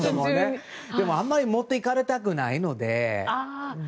でも、あんまり持っていかれたくないので。